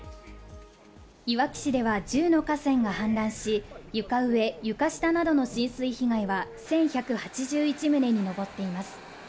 いわき市では１０の河川が氾濫し、床上、床下などの浸水被害は１１８１棟に上っています。